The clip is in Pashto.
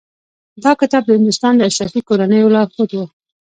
دا کتاب د هندوستان د اشرافي کورنیو لارښود و.